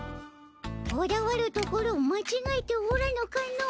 こだわるところをまちがえておらぬかの。